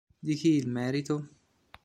Di chi il merito?